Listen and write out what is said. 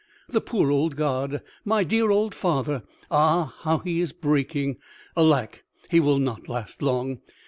"The poor old God! my dear old father! Ah, how he is breaking! Alack, he will not last long!